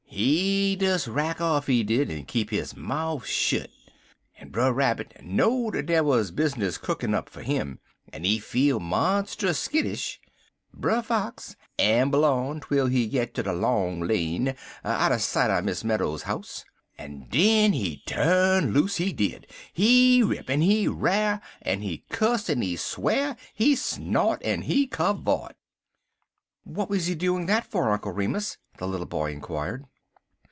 He des rack off, he did, en keep his mouf shet, en Brer Rabbit know'd der wuz bizness cookin' up fer him, en he feel monstus skittish. Brer Fox amble on twel he git in de long lane, outer sight er Miss Meadows's house, en den he tu'n loose, he did. He rip en he ra'r, en he cuss, en he swar; he snort en he cavort." "What was he doing that for, Uncle Remus?" the little boy inquired.